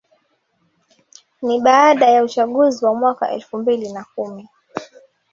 Ni baada ya uchaguzi wa mwaka elfu mbili na kumi